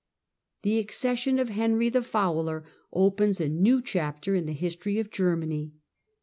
The accession of Henry the Fowler opens a new chapter in the history of Germany.